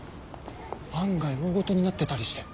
案外大ごとになってたりして。